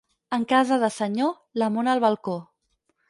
En casa de senyor, la mona al balcó.